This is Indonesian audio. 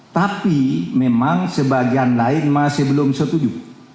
tapi memang sebagian lain masih belum setuju